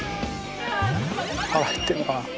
「腹減ってるのか」